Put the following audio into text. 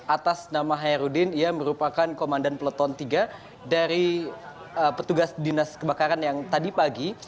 atas nama hairudin ia merupakan komandan peleton tiga dari petugas dinas kebakaran yang tadi pagi